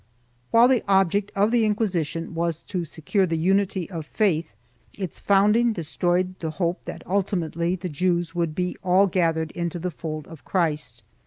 While the object of the Inquisition was to secure the unity of faith, its founding destroyed the hope that ultimately the Jews would all be gathered into the fold of Christ.